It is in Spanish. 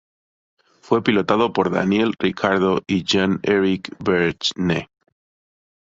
Fue pilotado por Daniel Ricciardo y Jean-Éric Vergne.